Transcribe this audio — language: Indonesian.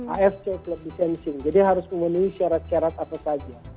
asc klub licensing jadi harus memenuhi syarat syarat apa saja